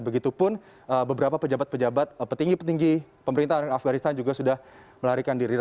begitupun beberapa pejabat pejabat petinggi petinggi pemerintahan afganistan juga sudah melarikan diri